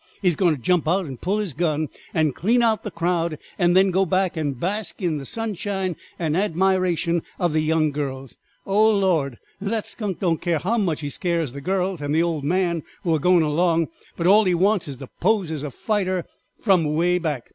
He is going to jump out and pull his gun and clean out the crowd, and then go back and bask in the sunshine and admiration of the young girls. Oh, Lord! The skunk don't care how much he scares the girls and the old man who are goin' along, but all he wants is to pose as a fighter from away back.